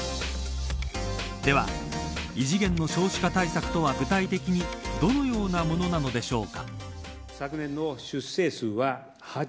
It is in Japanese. では異次元の少子化対策とは具体的にどのようなものなのでしょうか。